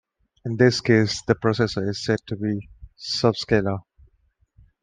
In this case, the processor is said to be "subscalar".